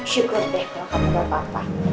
syukur deh kalau kamu gak apa apa